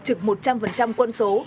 trực một trăm linh quân số